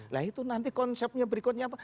nah itu nanti konsepnya berikutnya apa